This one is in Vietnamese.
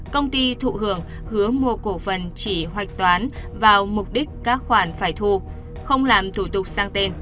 công ty thụ hưởng hứa mua cổ phần chỉ hoạch toán vào mục đích các khoản phải thu không làm thủ tục sang tên